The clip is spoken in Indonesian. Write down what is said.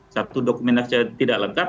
satu dokumen saja tidak lengkap